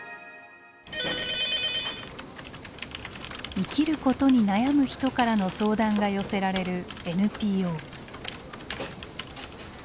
生きることに悩む人からの相談が寄せられるＮＰＯ。